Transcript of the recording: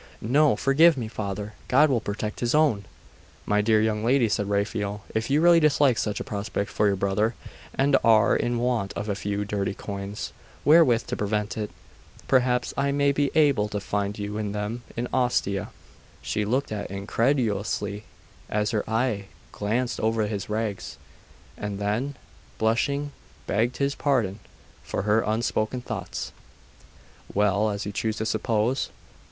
'No! forgive me, father! God will protect His own!' 'My dear young lady,' said Raphael, 'if you really dislike such a prospect for your brother, and are in want of a few dirty coins wherewith to prevent it, perhaps I may be able to find you them in Ostia.' She looked at incredulously, as her eye glanced over his rags, and then, blushing, begged his pardon for her unspoken thoughts. 'Well, as you choose to suppose.